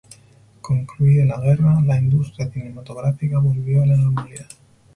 Concluida la guerra, la industria cinematográfica volvió a la normalidad.